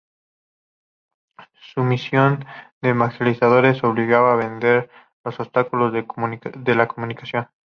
Su misión de evangelizadores obligaba a vencer los obstáculos de la comunicación.